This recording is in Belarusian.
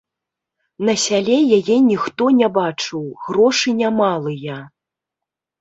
На сяле яе ніхто не бачыў, грошы не малыя.